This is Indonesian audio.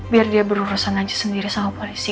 biar dia berurusan aja sendiri sama polisi